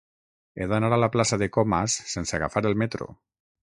He d'anar a la plaça de Comas sense agafar el metro.